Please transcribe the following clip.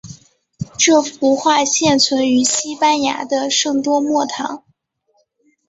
这幅画现存于西班牙的圣多默堂。